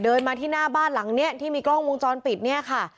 มาที่หน้าบ้านหลังเนี้ยที่มีกล้องวงจรปิดเนี่ยค่ะ